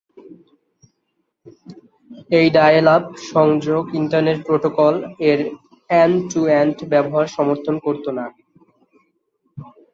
এই ডায়েল-আপ সংযোগ internet protocol এর এন্ড-টু-এন্ড ব্যবহার সমর্থন করত না।